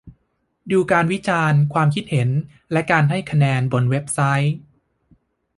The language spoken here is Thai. ดูการวิจารณ์ ความคิดเห็น และการให้คะแนนบนเว็บไซต์